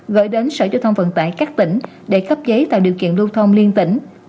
gửi đến sở giao thông vận tải các tỉnh để cấp giấy tạo điều kiện lưu thông liên tỉnh